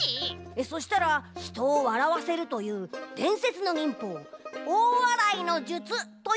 そしたらひとをわらわせるというでんせつの忍法おおわらいの術というのがあるらしいんだケロ。